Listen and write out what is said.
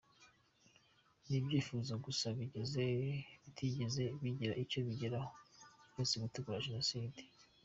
Ni ibyifuzo gusa bagize bitigeze bigira icyo bigeraho uretse gutegura Jenoside.